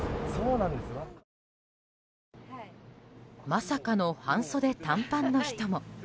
まさかの半袖短パンの人も。